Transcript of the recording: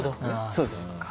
そうです。